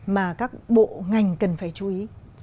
mà các bộ ngành cần phải chú ý